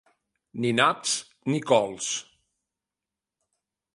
Ni naps ni cols.